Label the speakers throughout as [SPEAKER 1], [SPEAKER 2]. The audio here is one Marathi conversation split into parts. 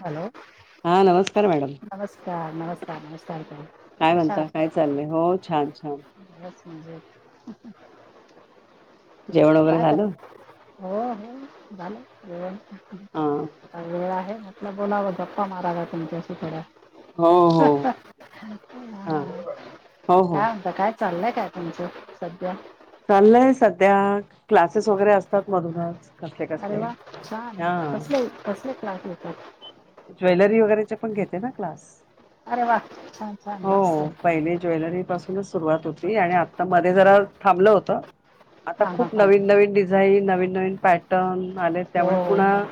[SPEAKER 1] हॅलो
[SPEAKER 2] हा नमस्कार मॅडम
[SPEAKER 1] नमस्कार नमस्कार नमस्कार कशा आहात?
[SPEAKER 2] हा.
[SPEAKER 1] म्हणजे.
[SPEAKER 2] जेवण वगैरे
[SPEAKER 1] काय
[SPEAKER 2] झालं
[SPEAKER 1] करता. हो, हो झा हो म
[SPEAKER 2] हा
[SPEAKER 1] वेळ आहे? आपण बोलाव गप्पा माराव्या तुमच्याशी थोड्या.
[SPEAKER 2] हो हो
[SPEAKER 1] हह
[SPEAKER 2] हा हो हो
[SPEAKER 1] हाह हा काय? काय चाललंय काय तुमचं सध्या?
[SPEAKER 2] चाललंय सध्या क्लासेस वगैरे असतात मधूनच. कसले
[SPEAKER 1] अरे
[SPEAKER 2] कसले
[SPEAKER 1] वा छान
[SPEAKER 2] हा
[SPEAKER 1] कसले कसले क्लास येतात?
[SPEAKER 2] ज्वेलरी वगैरेचे पण घेते ना क्लास.
[SPEAKER 1] अरे वा छान छान
[SPEAKER 2] हो
[SPEAKER 1] मस्त.
[SPEAKER 2] पहिले ज्वेलरी सुरुवात होती. आणि आता मध्ये जरा थांबलं होत. आता
[SPEAKER 1] हां हां
[SPEAKER 2] खूप
[SPEAKER 1] हां
[SPEAKER 2] नवीन नवीन डिझाईन नवी नवीन नवीन पॅटर्न. आले त्यामुळे
[SPEAKER 1] हो
[SPEAKER 2] पुन्हा-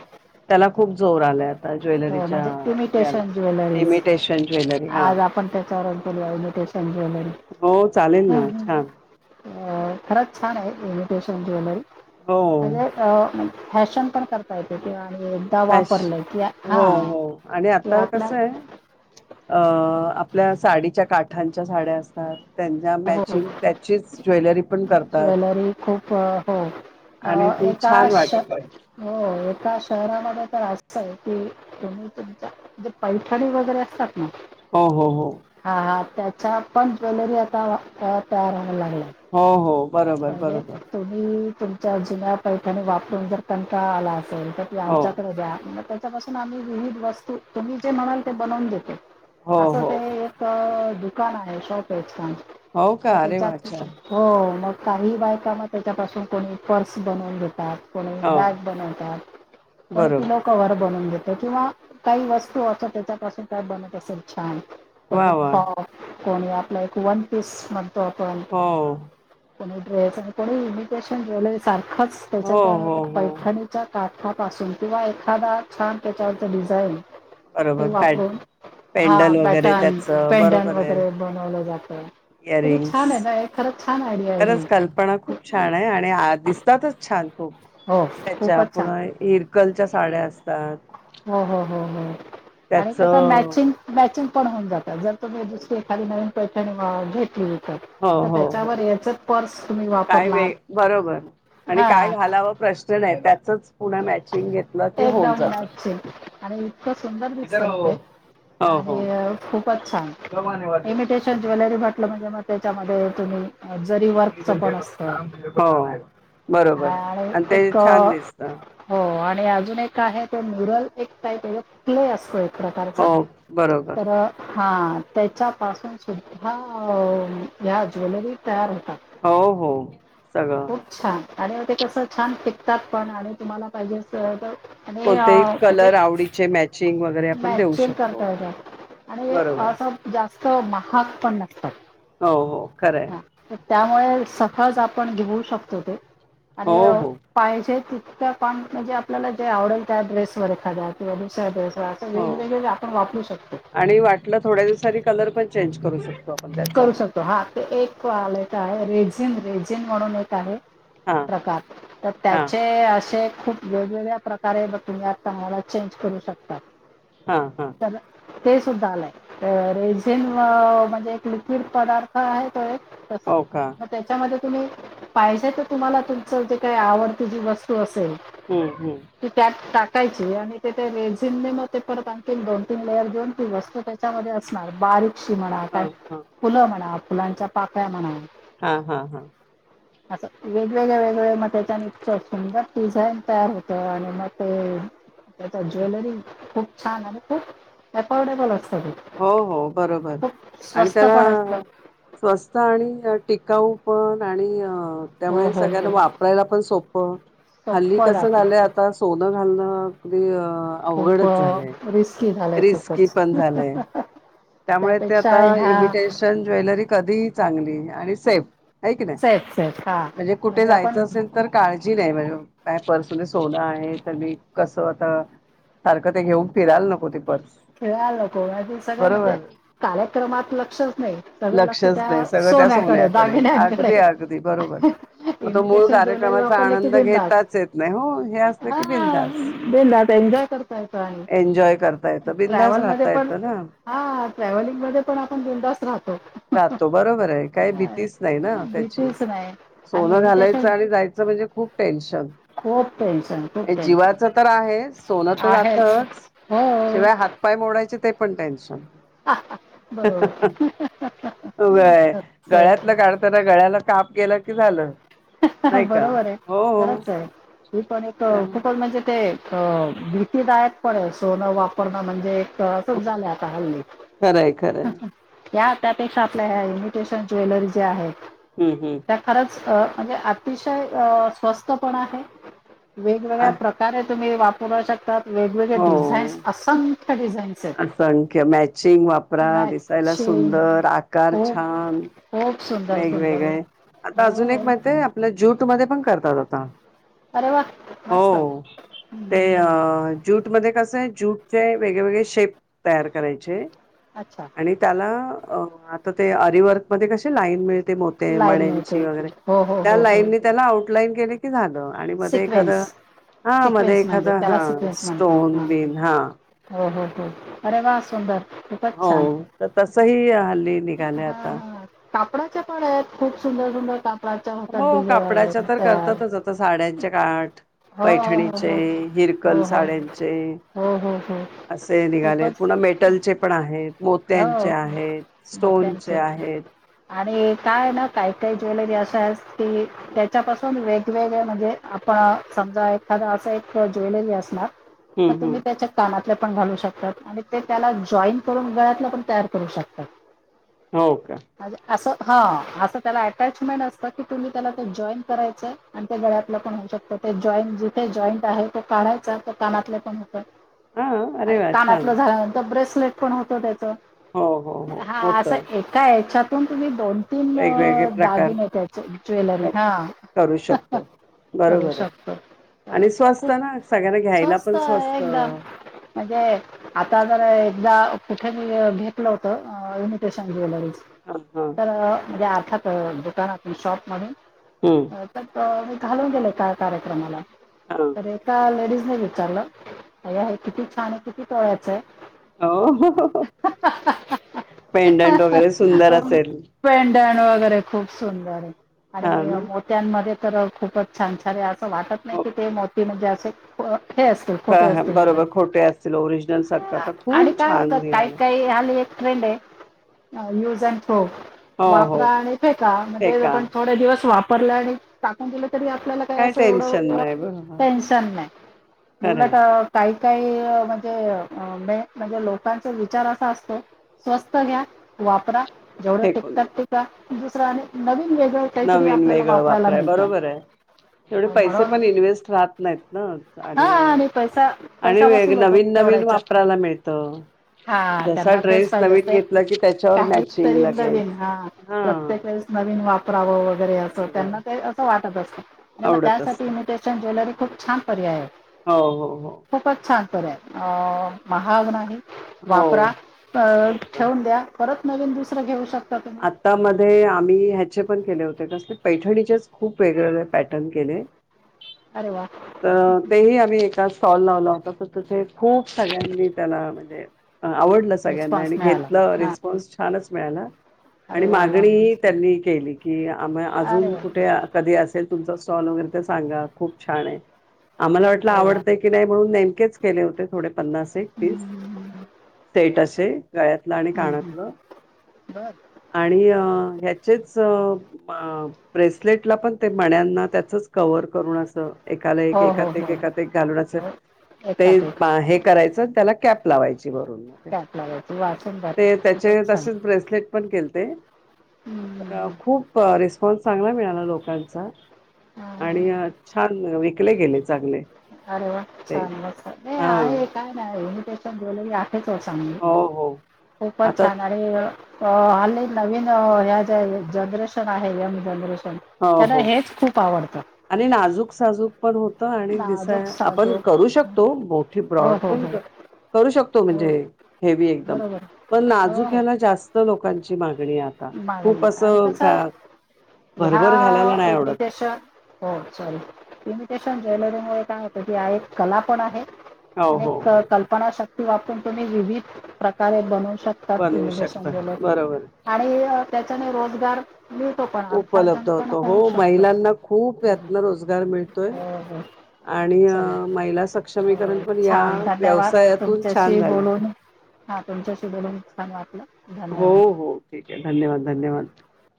[SPEAKER 2] त्याला खूप जोर आलाय? आता
[SPEAKER 1] हो..
[SPEAKER 2] ज्वेलरीच्या
[SPEAKER 1] म्हणजे
[SPEAKER 2] याला
[SPEAKER 1] इमिटेशन ज्वेलरीज.
[SPEAKER 2] इमिटेशन ज्वेलरी हा
[SPEAKER 1] आज आपण त्याच्यावरून बोलूया इमिटेशन ज्वेलरी.
[SPEAKER 2] हो चालेल ना छान
[SPEAKER 1] अ.. खरच छान आहे. Imitation jewellery.
[SPEAKER 2] हो
[SPEAKER 1] अग अ.. फॅशन पण करता येते ते एकदा
[SPEAKER 2] फॅश
[SPEAKER 1] वापरलय त्या
[SPEAKER 2] हो.. हो.. आणि आता कसये? अ.. आपल्या साडीच्या काठाच्या साड्या असतात. त्यांना
[SPEAKER 1] हो, हो.
[SPEAKER 2] मॅचिंग त्याचीच ज्वेलरी पण करतात
[SPEAKER 1] ज्वेलरी खूप हो..
[SPEAKER 2] आणि ती
[SPEAKER 1] एका
[SPEAKER 2] छान
[SPEAKER 1] श..
[SPEAKER 2] वाटते
[SPEAKER 1] हो एका शहरामध्ये तर असतय की.. तुम्ही तुमच्या पैठणी वगैरे असतात.
[SPEAKER 2] हो हो हो
[SPEAKER 1] हा.. त्याच्या पण ज्वेलरी आता तयार
[SPEAKER 2] हो.. हो.. बरोबर
[SPEAKER 1] अग
[SPEAKER 2] बरोबर
[SPEAKER 1] तुम्ही तुमच्या जुन्या पैठणी वापरून.. जर कंटाळा आला तर
[SPEAKER 2] हो
[SPEAKER 1] आमच्याकडे द्या. त्यातून आम्ही विविध वस्तू.. तुम्ही जे म्हणाल ते बनवून देतो.
[SPEAKER 2] हो
[SPEAKER 1] अस
[SPEAKER 2] हो
[SPEAKER 1] ते एक दुकान आहे. शॉपये छान.
[SPEAKER 2] हो का अरे वा छान
[SPEAKER 1] हो.. मग. काही बायकांना.. त्याच्यापासून कोणी पर्स बनवून देतात. कोणी
[SPEAKER 2] हो
[SPEAKER 1] बॅग बनवतात. कोणी
[SPEAKER 2] बरोबर
[SPEAKER 1] पिलो कवर बनवून देत. किंवा काही वस्तू असं त्याच्यापासून काय बनत असेल छान?
[SPEAKER 2] वा
[SPEAKER 1] कोणी
[SPEAKER 2] वा
[SPEAKER 1] कोणी.. आपल एक वन पीस म्ह
[SPEAKER 2] हो
[SPEAKER 1] [unintelligible] कोणी ड्रेस आणि कोणी इमिटेशन ज्वेलरी सारख खरच त्याच्या
[SPEAKER 2] हो हो
[SPEAKER 1] त्या
[SPEAKER 2] हो
[SPEAKER 1] पैठाणीच्या का ह्या पासून किंवा एखादा छान त्याच्यावरचा डिझाइन ते
[SPEAKER 2] बरोबर पॅट
[SPEAKER 1] वापरून हा
[SPEAKER 2] पेंडल वगैरे
[SPEAKER 1] पॅटन
[SPEAKER 2] त्याच
[SPEAKER 1] पेंडन
[SPEAKER 2] बरोबर आहे
[SPEAKER 1] वगैरे बनवलं जात. किती छानये
[SPEAKER 2] इयरिंग्स
[SPEAKER 1] ना? खरच छान आहे
[SPEAKER 2] खरंच
[SPEAKER 1] ही
[SPEAKER 2] कल्पना खूप छान आहे आणि दिसतातच छान ख
[SPEAKER 1] हो
[SPEAKER 2] त्याच्या
[SPEAKER 1] खूपच
[SPEAKER 2] पुन
[SPEAKER 1] छान
[SPEAKER 2] इरकलच्या साड्या असतात
[SPEAKER 1] हम् हम् हम् हम् आणि तस
[SPEAKER 2] त्याचं
[SPEAKER 1] मॅचिंग मॅचिंग पण होऊन जात जर तुम्ही दुसरी एखादी नवीन पैठण घेतली विकत
[SPEAKER 2] हो
[SPEAKER 1] तर
[SPEAKER 2] हो हो
[SPEAKER 1] त्याच्यावर याचं पर्स तुम्ही
[SPEAKER 2] काय
[SPEAKER 1] वापरणार
[SPEAKER 2] वेळ बरोबर आणि काय घालाव प्रश्न नाही त्यात जातं.
[SPEAKER 1] एकडनॅच आणि इतकं सुंदर दिसत हो ते
[SPEAKER 2] हो, हो.
[SPEAKER 1] आणि खूपच छग इमिटेशन ज्वेलरी म्हटलं म्हणजे म त्याच्यामध्ये तुम्ही जरी वर्कचं पण असतं
[SPEAKER 2] हो बरोबर आणि ते छान दिसत
[SPEAKER 1] हो आणि आ अून एक काय आहे ते मुरल एक का क्ले असतोय
[SPEAKER 2] हो बरोबर
[SPEAKER 1] हा त्याच्यापासून सुद्धा ह्या ज्वेलरी तयार होतात
[SPEAKER 2] हो हो सगळं
[SPEAKER 1] खूप छान आणि ते कसं छान पिकतात पण आणि तुम्हाला पाहिजे अस तर आणि अ,
[SPEAKER 2] कोणतेही
[SPEAKER 1] म्हणजे
[SPEAKER 2] कलर आवडीचे मॅचिंग वगैरे आपण देऊ
[SPEAKER 1] मॅचिंग
[SPEAKER 2] शकतो
[SPEAKER 1] करता येतात आणि
[SPEAKER 2] बरोबर
[SPEAKER 1] असं जास्त महाग पण नसतात
[SPEAKER 2] हो हो खरंय
[SPEAKER 1] हा तर त्यामुळे सखळज आपण घेऊ शकतो ते
[SPEAKER 2] हो
[SPEAKER 1] आणि
[SPEAKER 2] हो
[SPEAKER 1] पायाचे त म्हणजे आपल्याला जे आवडेल त्या ड्रेस वर एखाद्यात वुश्या ड्रेस
[SPEAKER 2] हो आणि वाटलं थोड्या दिवसांनी कलर पण चेंज करू शकतो आपण त्याचा
[SPEAKER 1] करू शकतो हा एक आलंय का आहे रेजिन रेजिन म्हणून एक आहे
[SPEAKER 2] हा
[SPEAKER 1] प्रकार तर
[SPEAKER 2] हा
[SPEAKER 1] त्याचे असे खूप वेगवेगळ्या प्रकारे बघ तुम्ही आताम्हाला चेंज करू शकता
[SPEAKER 2] हा हा
[SPEAKER 1] चला ते सुद्धा आलंय रेझिन म्हणजे लिक्विड पदार्थ आहे तो एक...... तस
[SPEAKER 2] हो का
[SPEAKER 1] मग त्याच्यामध्ये......................... तुम्ही पाहिजे तर तुम्हाला तुमचं जे काही आवडती जी वस्तू असेल
[SPEAKER 2] हम्म हम्म
[SPEAKER 1] ते त्यात टाक. टाकायची आणि तेथ रेझिलने मग ते परत आणखी दोन तीन लेयर देवून ती वस्तू त्याच्यामध्ये असणार बारीक चि म्हणा
[SPEAKER 2] हा
[SPEAKER 1] काय
[SPEAKER 2] हा
[SPEAKER 1] फुलं म्हणा फुलांच्या पाकळ्या म्हणा.
[SPEAKER 2] हा- हा -हा.
[SPEAKER 1] अस वेगवेगळे वेगळे मग त्याच्यान इतकं सुंदर डिझाईन तयार होत आणि मग ते आता ज्वेलरी खूप छान आहे खुप एफॉर्डेबलच
[SPEAKER 2] हो हो बरोबर आणि?
[SPEAKER 1] स्वस्त पण असतं
[SPEAKER 2] स्वस्त आणि टिकतात. काऊ पण आणि अ
[SPEAKER 1] हो
[SPEAKER 2] त्यामुळे
[SPEAKER 1] हो हो
[SPEAKER 2] सगळ्यांना वापरायला पण सोप हल्ली
[SPEAKER 1] सोपं
[SPEAKER 2] कसं
[SPEAKER 1] जातं
[SPEAKER 2] झालंय सोनं नाणं गल [unintelligible] अवघडच झालंय
[SPEAKER 1] झाले
[SPEAKER 2] रिस्की
[SPEAKER 1] खूपच.
[SPEAKER 2] पण झालंय त्यामुळे ते
[SPEAKER 1] त्यापेक्षा
[SPEAKER 2] आता
[SPEAKER 1] ह्या
[SPEAKER 2] इमिटेशन ज्वेलरी कधीही चांगली. आणि सेफ. आहे की नाही
[SPEAKER 1] सेफ सेफ हा
[SPEAKER 2] म्हणजे कुठे जायचं असेल तर काळजी जी नाही म्हणून पर्स मध्ये सोनं आहे तर मी कसं आता सारखं ते घेऊन फिरायला नको ते पर्स
[SPEAKER 1] खेळालकजे [unintelligible] सगळ म्हणजे
[SPEAKER 2] बरोबर
[SPEAKER 1] कार्यक्रमात लक्षच नाही. सगळ लक्षात
[SPEAKER 2] लक्षच नाही
[SPEAKER 1] त्या
[SPEAKER 2] सगळं त्या
[SPEAKER 1] सोन्याकडे दागिण्यानंकडे
[SPEAKER 2] अगदी अगदी बरोबर मग तो मूळ
[SPEAKER 1] इमिटेशन ज्वेलरी
[SPEAKER 2] कार्यक्रमाचा
[SPEAKER 1] वापरले की
[SPEAKER 2] आनंद घेताच येत नाही हो हे
[SPEAKER 1] बिंधास्त
[SPEAKER 2] असलं
[SPEAKER 1] हा
[SPEAKER 2] की बिंदास
[SPEAKER 1] बिंधास्त एन्जॉय करता येत आणि.
[SPEAKER 2] एन्जॉय करता येतं बिंदास
[SPEAKER 1] ट्रॅव्हल मध्ये
[SPEAKER 2] राहता
[SPEAKER 1] पण
[SPEAKER 2] येतं ना
[SPEAKER 1] हा ट्रॅव्हलिंग मध्ये पण आपण बिनधास्त राहतो.
[SPEAKER 2] राहतो बरोबर आहे काही
[SPEAKER 1] अ,
[SPEAKER 2] भीतीच नाही ना त्याची.
[SPEAKER 1] भीतीच नाही आणि
[SPEAKER 2] सोनं
[SPEAKER 1] इमिटेशन
[SPEAKER 2] घालायचं आणि जायचं म्हणजे खूप टेन्शन.
[SPEAKER 1] खूप टेन्शन खूप टेन्शन
[SPEAKER 2] जीवाच तर आहे सोन तर
[SPEAKER 1] आहेच
[SPEAKER 2] जातच
[SPEAKER 1] हो
[SPEAKER 2] शिवाय हात पाय मोडायचे ते पण टेन्शन
[SPEAKER 1] बरोबर.
[SPEAKER 2] होय गळ्यातलं काढताना गळ्याला काप केलं झालं? नाही का
[SPEAKER 1] बरोबर आहे
[SPEAKER 2] हो
[SPEAKER 1] खरंच आहे ती पण एक खूपच म्हणजे ते अ भीतीदायक पण आहे सोनं वापरणं म्हणजे? तर असंच
[SPEAKER 2] हो
[SPEAKER 1] झालंय आता हल्ली.
[SPEAKER 2] खरंय खरंय
[SPEAKER 1] या त्यापेक्षा आपल्या ह्या इमिटेशन ज्वेलरी जे आहेत
[SPEAKER 2] हम्म
[SPEAKER 1] त्या
[SPEAKER 2] हम्म
[SPEAKER 1] खरंच अ म्हणजे अतिशय स्वस्त पण आहे वेगवेगळ्या प्रकारे तुम्ही वापरू शकताात वेगवेगळे डिझान्स
[SPEAKER 2] हो
[SPEAKER 1] असंत
[SPEAKER 2] असंख्य मॅचिंग वापरा दिसायला
[SPEAKER 1] मच्छी
[SPEAKER 2] सुंदर आकार
[SPEAKER 1] खूप
[SPEAKER 2] छान
[SPEAKER 1] खूप सुंदर सुंदर
[SPEAKER 2] वेगवेगळे आता अजून एक
[SPEAKER 1] हो
[SPEAKER 2] माहिितय आप ज्यूट्यूब मध्ये पण करतात आता
[SPEAKER 1] अरे वा मस्त
[SPEAKER 2] हो ते अ
[SPEAKER 1] हम्म.
[SPEAKER 2] ज्यूट मध्ये कस आहे ज्यूटचे वेगळेवेेगळे शेप तयार करायचे
[SPEAKER 1] अच्छा
[SPEAKER 2] आणि त्याला आता ते अरवर्क मध्ये क ल लाईन मिळेल मोती
[SPEAKER 1] लाईन मिळते
[SPEAKER 2] मन्यांची वैगरे
[SPEAKER 1] हो हो
[SPEAKER 2] त्या
[SPEAKER 1] हो हो
[SPEAKER 2] लाईन त्याला आऊट लाईन केले की झाल आणि मध्ये एखाद
[SPEAKER 1] सिक्वेन्स
[SPEAKER 2] हा मध्ये
[SPEAKER 1] सिक्वेन्स
[SPEAKER 2] एखाद
[SPEAKER 1] म्हणजे त्याला
[SPEAKER 2] हा
[SPEAKER 1] सिक्वेन्स म्हणतात
[SPEAKER 2] स्टोन
[SPEAKER 1] हां
[SPEAKER 2] बिन हा
[SPEAKER 1] हो हो हो अरे वा सुंदर खूपच
[SPEAKER 2] हो
[SPEAKER 1] छान
[SPEAKER 2] तर तसही हल्ली निघाले आता
[SPEAKER 1] कापडाचे पण आहेत खूप सुंदर सुंदर काम
[SPEAKER 2] हो कापडाच्या तर करतातच आता साड्यांच्या च्या काठ
[SPEAKER 1] हो
[SPEAKER 2] पैठणीचे,
[SPEAKER 1] हो
[SPEAKER 2] इरकल
[SPEAKER 1] हो हो हो
[SPEAKER 2] साड्यांचे
[SPEAKER 1] हो हो हो
[SPEAKER 2] असे निघालेत
[SPEAKER 1] खूपच
[SPEAKER 2] पुन्हा मेटलचे पण आहेत
[SPEAKER 1] हो
[SPEAKER 2] मोत्यांचे आहेत स्टोनचे
[SPEAKER 1] मोत्यांचे
[SPEAKER 2] आहेत
[SPEAKER 1] आणि काय ना काही काही ज्वेलरी अशा आहे की त्याच्यापासून वेगवेगळे म्हणजे आपण समजा एखादां असं एक ज्वेलरी असणार तर
[SPEAKER 2] हम्म
[SPEAKER 1] तुम्ही
[SPEAKER 2] हम्म
[SPEAKER 1] त्याच्या कामात ण घालू शकतात आणि ते त्याला जॉईन करून गळत आपण तयार करू शकत
[SPEAKER 2] हो का
[SPEAKER 1] हा असं त्याला अटॅचमेंट असतं की तुम्ही त्याला त जॉईन करायचंय आणि त्या गळ्यातलं पण होऊ शकतं ते जॉईन जिथे जॉईंट आहे तो काढायचा कानातले पण
[SPEAKER 2] हा
[SPEAKER 1] होतकत
[SPEAKER 2] अरे
[SPEAKER 1] आणि
[SPEAKER 2] वा छान
[SPEAKER 1] कानातलं झाल्यानंतर ब्रेस पण होत त्या
[SPEAKER 2] हो हो हो
[SPEAKER 1] हा
[SPEAKER 2] होत
[SPEAKER 1] असं एका याच्यात [unintelligible] दोन तीन
[SPEAKER 2] वेगवेगळे प्रकार
[SPEAKER 1] दागिने त्याचे ज्वेलरी
[SPEAKER 2] क-
[SPEAKER 1] हा
[SPEAKER 2] करू शकतो
[SPEAKER 1] करू
[SPEAKER 2] बरोबर आहे
[SPEAKER 1] शकतो
[SPEAKER 2] आणि स्वस्त
[SPEAKER 1] खूप
[SPEAKER 2] ना सगळ्यांना घ्यायला
[SPEAKER 1] स्वस्त
[SPEAKER 2] पण
[SPEAKER 1] एकदम
[SPEAKER 2] हा
[SPEAKER 1] म्हणजे आता जर एकदा त्यामुळं घेत नव्हत इमिटेशन ज्वेलरी
[SPEAKER 2] हा
[SPEAKER 1] तर जे त्यात दुकानातुन शॉप मधून
[SPEAKER 2] हम्म
[SPEAKER 1] [unintelligible] घालून गेलं का कार्यक्रमाला
[SPEAKER 2] हा
[SPEAKER 1] तर एका लेडीज नि विचारलं अय्या हे किती छान आहे किती तोळ्याचय?
[SPEAKER 2] हो पेनडंट वगैरे सुंदर असेल
[SPEAKER 1] डण वगैरे खूप सुंदर आहे आणि
[SPEAKER 2] हा ना
[SPEAKER 1] मोत्यांमध्ये तर खूपच छान छान अस वाटत नाही की ते मोती म्हणजे शवा
[SPEAKER 2] हाा बरोबर खोटे असतील ओरिजनल सारख
[SPEAKER 1] हा
[SPEAKER 2] आता
[SPEAKER 1] आणि
[SPEAKER 2] खूप
[SPEAKER 1] काय
[SPEAKER 2] छान
[SPEAKER 1] होतं काही
[SPEAKER 2] दिलेलं
[SPEAKER 1] काही आली एक ट्रेंड आहे ह युज हो
[SPEAKER 2] हो
[SPEAKER 1] वापरा
[SPEAKER 2] हो
[SPEAKER 1] आणि फे का
[SPEAKER 2] ते
[SPEAKER 1] म्हणजे
[SPEAKER 2] का
[SPEAKER 1] आपण थोडे दिवस वाप रला [unintelligible] आणि टकण [unintelligible] दिलं त आपल्याला का
[SPEAKER 2] काय
[SPEAKER 1] अस एवढ
[SPEAKER 2] टेन्शन नाही बरोबर
[SPEAKER 1] टेनशन नाही
[SPEAKER 2] खरं
[SPEAKER 1] ब
[SPEAKER 2] आहे
[SPEAKER 1] का काही म्हणजे बक म्हणजे लोक लोकां [unintelligible] विचार असा असतो स्वस्त घ्या वापरा जेवढं
[SPEAKER 2] फेकून
[SPEAKER 1] टेिकतात
[SPEAKER 2] द्या.
[SPEAKER 1] ते का दुसरा आणि नवीन वेगळं काहीतरी
[SPEAKER 2] नवीन
[SPEAKER 1] आपल्याला
[SPEAKER 2] वेगळ
[SPEAKER 1] वापरायला
[SPEAKER 2] वापराय
[SPEAKER 1] मिळतं
[SPEAKER 2] बरोबर आहे तेवढे पैसे पण
[SPEAKER 1] म्हणून
[SPEAKER 2] इन्व्हेस्ट राहत नाहीत ना
[SPEAKER 1] हा
[SPEAKER 2] आणि
[SPEAKER 1] पैसा
[SPEAKER 2] आणि
[SPEAKER 1] पैसा
[SPEAKER 2] व [unintelligible]
[SPEAKER 1] वसूल होतो
[SPEAKER 2] नवीन
[SPEAKER 1] तेवढ्या
[SPEAKER 2] नवीन
[SPEAKER 1] ह्याच्यात
[SPEAKER 2] वापरायला मिळतं
[SPEAKER 1] हा
[SPEAKER 2] जसा
[SPEAKER 1] त्यांना तेच
[SPEAKER 2] ड्रेस
[SPEAKER 1] पाहिजे
[SPEAKER 2] नवीन
[SPEAKER 1] अस
[SPEAKER 2] घेतला की त्याच्यावर
[SPEAKER 1] काही
[SPEAKER 2] मॅचिंग
[SPEAKER 1] तरी
[SPEAKER 2] लगेच
[SPEAKER 1] नवीन हा प्रत्येक वेळेस नवीन वापर राव [unintelligible] वगैरे असं
[SPEAKER 2] बरोबर
[SPEAKER 1] त्यांना ते असं वाट तर बस आणि मग
[SPEAKER 2] आवडत
[SPEAKER 1] त्यासाठी
[SPEAKER 2] असत
[SPEAKER 1] इन्वििटेशन ज्वेलरी खूप छान पर्याय
[SPEAKER 2] हो हो हो.
[SPEAKER 1] बरं हाय अ.... महाग् नाही.
[SPEAKER 2] हो
[SPEAKER 1] वापरा अ
[SPEAKER 2] बरोबर
[SPEAKER 1] ठेवून द्या परत. नवीन दुसरं घेऊ शक-
[SPEAKER 2] आता-मध्ये आम्ही ह्याचे पण केले होते कसले. पैठणीच्याच खूप वेगळ वेगळे पॅटर्न केले.
[SPEAKER 1] अरे वा
[SPEAKER 2] त अ तेही आम्ही एका- स्टॉल लावला होता तर तथे खूप सगळ्यांनी त्याला म्हणजे- आवडलं सगळ्यांना
[SPEAKER 1] रिस्पॉन्स
[SPEAKER 2] आणि
[SPEAKER 1] मिळाला
[SPEAKER 2] घेतलं
[SPEAKER 1] हा
[SPEAKER 2] रिस्पॉन्स छानचं. मिळाला. आणि
[SPEAKER 1] अरे वा वा
[SPEAKER 2] मागणी त्यांनी केली. की आ... आमया
[SPEAKER 1] अरे
[SPEAKER 2] अजून
[SPEAKER 1] वा
[SPEAKER 2] कुठे आ कधी अस. तर तुमचा स्टॉल वगैरे ते सांगा खूप छान आहे. आम्हाला वाटलं
[SPEAKER 1] अरे वा
[SPEAKER 2] आवडतंय की नाही म्हणून नेमकेच केले होते थोडे पन्नास एक तीस
[SPEAKER 1] हम्म.
[SPEAKER 2] [unintelligible] ते. गळ्यातलं आणि
[SPEAKER 1] हम्म, हम्म.
[SPEAKER 2] कानातलं.
[SPEAKER 1] बर
[SPEAKER 2] आणि अ ह्याचेच अ ब-ब्रेसलेटला पण ते मन्यांना त्याचच कव्हर करून असं. एकाला
[SPEAKER 1] हो
[SPEAKER 2] एक
[SPEAKER 1] हो
[SPEAKER 2] एकात एक
[SPEAKER 1] हो
[SPEAKER 2] एकात एक घालूनचं असं
[SPEAKER 1] हो.
[SPEAKER 2] ते
[SPEAKER 1] एकात एक
[SPEAKER 2] हे करायचं त्याला कॅप. लावायचे. [unintelligible]
[SPEAKER 1] कॅप लावायची वाचून बर
[SPEAKER 2] ते त्याचेच
[SPEAKER 1] खूपच छान
[SPEAKER 2] तसेच ब्रेसलेट. केलते. तर अ
[SPEAKER 1] हम्म.
[SPEAKER 2] खूप रिस्क. [unintelligible] चांगला मिळाला लोकांचा
[SPEAKER 1] हा, हा.
[SPEAKER 2] आणि अ छान विक ले गेलेच..
[SPEAKER 1] अरे वा! छान मस्त नाही
[SPEAKER 2] हा
[SPEAKER 1] आहे काय नाही आहे [unintelligible] बोलूया.. हेचो चांगली
[SPEAKER 2] हो हो
[SPEAKER 1] खूपच
[SPEAKER 2] आता
[SPEAKER 1] छान आहे रे... अ हली नवीन अ ह्या ज्या-जनरेशन आहे यंग जनरेशन.
[SPEAKER 2] हो
[SPEAKER 1] त्याला
[SPEAKER 2] हो
[SPEAKER 1] हेच खूप आवडतं.
[SPEAKER 2] आणि नाजूक साजूक पण होतं. आणि
[SPEAKER 1] नाजूक
[SPEAKER 2] दिसाया आपण
[SPEAKER 1] साजूक
[SPEAKER 2] करू शकतो मोठी
[SPEAKER 1] हो
[SPEAKER 2] ब्रॉड
[SPEAKER 1] हो
[SPEAKER 2] पण
[SPEAKER 1] हो
[SPEAKER 2] करू शकतो म्हणजे
[SPEAKER 1] हो
[SPEAKER 2] हेवी एकदम
[SPEAKER 1] बरोबर.
[SPEAKER 2] पण
[SPEAKER 1] हो हो
[SPEAKER 2] नाजूक्याला जास्त लोकांची माग. नाही आता खूप
[SPEAKER 1] मागणी आणि
[SPEAKER 2] असं
[SPEAKER 1] कसं
[SPEAKER 2] अ
[SPEAKER 1] आहे,
[SPEAKER 2] भरभर घालायला
[SPEAKER 1] ह्या
[SPEAKER 2] नाही आवडत.
[SPEAKER 1] इमिटेशन हो चाल इमिटेशन ज्वेलरी मु काय होतं की एक कला पण आहे
[SPEAKER 2] हो
[SPEAKER 1] अ
[SPEAKER 2] हो हो
[SPEAKER 1] कल्पना श क वा आप तुम्ही विविध प्रकारे बन
[SPEAKER 2] बनवू शकता बरोबर
[SPEAKER 1] आणि त्याच्याने रोजगार मिळतो पण अर्थार्जन
[SPEAKER 2] उपलब्ध
[SPEAKER 1] पण
[SPEAKER 2] होतो हो
[SPEAKER 1] होऊ शकतं.
[SPEAKER 2] महिलांना खूप यातन
[SPEAKER 1] हो
[SPEAKER 2] रोजगार मिळतोय
[SPEAKER 1] हो
[SPEAKER 2] आणि
[SPEAKER 1] चला
[SPEAKER 2] महिला सक्षमीकरण
[SPEAKER 1] हो
[SPEAKER 2] पण या
[SPEAKER 1] छान धन्यवाद
[SPEAKER 2] व्यवसायातून छान
[SPEAKER 1] तुमच्याशी
[SPEAKER 2] झालंय
[SPEAKER 1] बोलून हा तुमच्या शबेदान वाटलं
[SPEAKER 2] हो
[SPEAKER 1] धन्यवाद
[SPEAKER 2] हो ठीक धन्यवाद धन्यवाद